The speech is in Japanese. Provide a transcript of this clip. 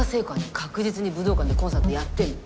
確実に武道館でコンサートやってるの。